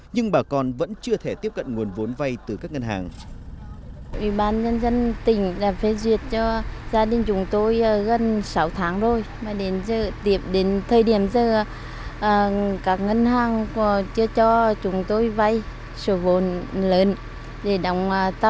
nhưng bà con vẫn chưa thể tiếp cận nguồn vốn vay từ các ngân hàng